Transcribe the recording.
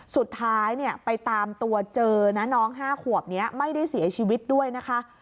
สุดท้ายไปตามตัวเจอนะน้อง๕ขวบนี้ไม่ได้เสียชีวิตด้วยนะคะ